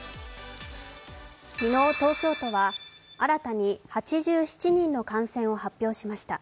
昨日、東京都は新たなに８７人の感染を発表しました。